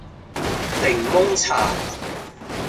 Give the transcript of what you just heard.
檸檬茶